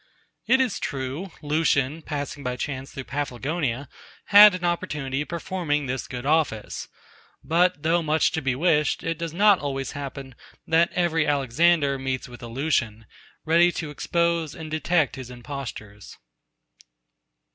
It is true; Lucian, passing by chance through Paphlagonia, had an opportunity of performing this good office. But, though much to be wished, it does not always happen, that every Alexander meets with a Lucian, ready to expose and detect his impostures.